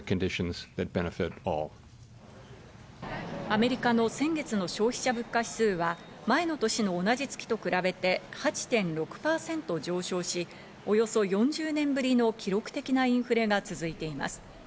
アメリカの先月の消費者物価指数は、前の年の同じ月と比べて８．６％上昇し、およそ４０年ぶりの記録的なインフレが続いています。